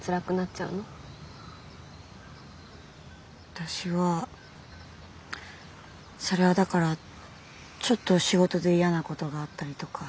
私はそれはだからちょっと仕事で嫌なことがあったりとか。